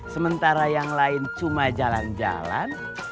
sementara yang lain cuma jalan jalan